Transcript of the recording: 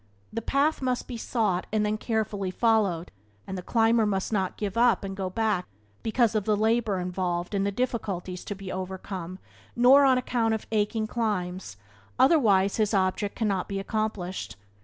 The path must be sought and then carefully followed, and the climber must not give up and go back because of the labour involved and the difficulties to be overcome, nor on account of aching climbs, otherwise his object cannot be accomplished.